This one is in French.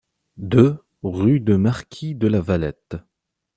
deux rue du Marquis de la Valette